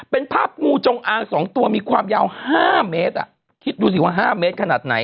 เป็นภาพงูจงอางสองตัวมีความยาวห้าเมตรอ่ะคิดดูสิว่าห้าเมตรขนาดไหนอ่ะ